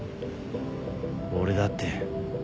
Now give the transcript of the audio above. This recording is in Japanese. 俺だって。